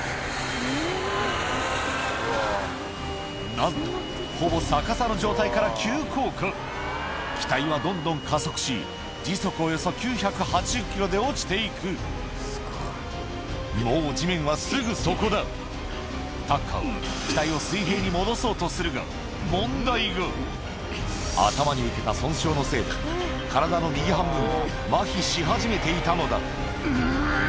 なんとほぼ逆さの状態から急降下機体はどんどん加速し時速およそ９８０キロで落ちていくもう地面はすぐそこだ機体を水平に戻そうとするが頭に受けた損傷のせいで体のし始めていたのだうぅ！